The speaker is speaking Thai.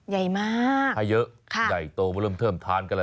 ใหญ่มากถ้าเยอะใหญ่โตมาเริ่มเทิมทานกันแล้ว